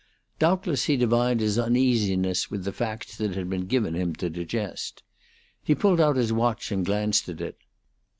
Doubtless he divined his uneasiness with the facts that had been given him to digest. He pulled out his watch and glanced at it.